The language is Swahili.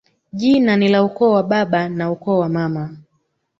Jina ni la ukoo wa baba na ukoo ni wa mama